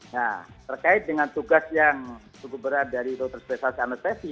nah terkait dengan tugas yang cukup berat dari dokter spesialis anestesi